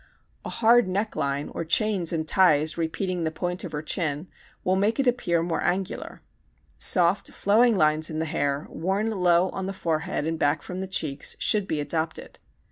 A hard neck line or chains and ties repeating the point of her chin will make it appear more angular. Soft flowing lines in the hair, worn low on the forehead and back from the cheeks, should be adopted.